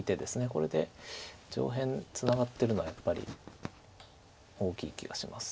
これで上辺ツナがってるのはやっぱり大きい気がします。